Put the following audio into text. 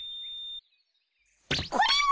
これは！